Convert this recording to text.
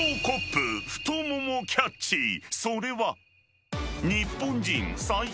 ［それは］